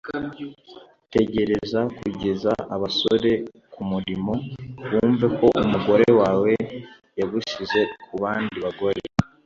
Tegereza kugeza abasore kumurimo bumve ko umugore wawe yagusize kubandi bagore